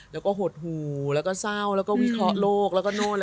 เราก็หดหู่และก็เศร้าแล้วก็วิเคราะห์โรค